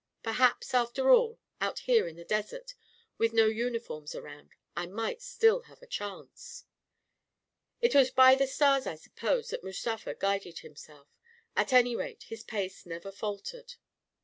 Perhaps, after all, out here in the desert, with no uniforms around, I might still have a chance ... It was by the stars, I suppose, that Mustafa guided himself. At any rate, his pace never falt ered.